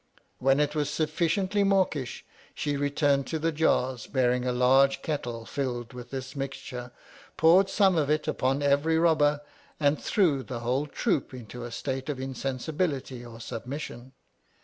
When it was sufficiently mawkish, she returned to the jars, bearing a large kettle filled with this mixture, poured some of it upon every robber, and threw the whole troop into a state of insensibility or submis mission.